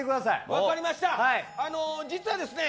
分かりました、実はですね